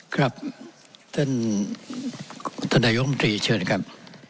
ครับท่านท่านนายกรรมตรีเชิญครับ